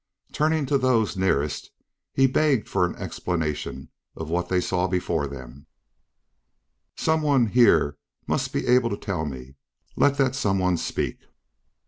Turning to those nearest, he begged for an explanation of what they saw before them: "Some one here must be able to tell me. Let that some one speak."